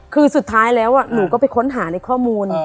คือสุดท้ายแล้วหนูก็ไปค้นหาในข้อมูล